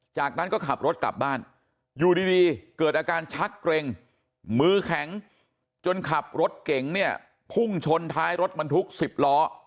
จนขับรถเก่งพุ่งชนท้ายรถมันทุก๑๐ล้อ